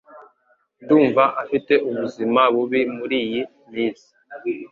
Ndumva afite ubuzima bubi muriyi minsi